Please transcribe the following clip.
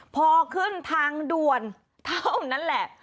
พอขึ้นทางด่วนเท่านั้นแหละ